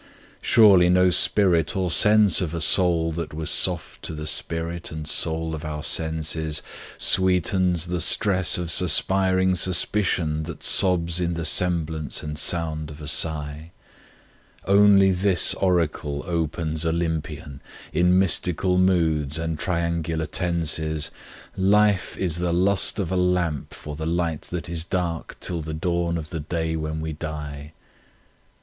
Surely no spirit or sense of a soul that was soft to the spirit and soul of our senses Sweetens the stress of suspiring suspicion that sobs in the semblance and sound of a sigh; Only this oracle opens Olympian, in mystical moods and triangular tenses "Life is the lust of a lamp for the light that is dark till the dawn of the day when we die."